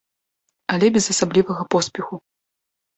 Але без асаблівага поспеху.